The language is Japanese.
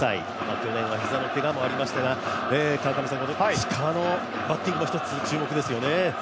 去年は膝のけがもありましたが石川のバッティングも注目ですね。